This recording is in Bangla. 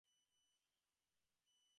কেন, খুড়িমা তোকে বলেনি?